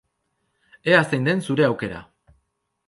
Ea zein den zure aukera!